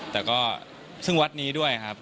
แต่ก็ซึ่งวัดนี้ด้วยครับ